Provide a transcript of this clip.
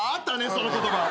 その言葉。